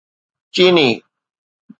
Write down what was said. چيني